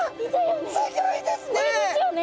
すギョいですね！